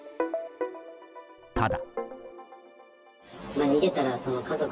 ただ。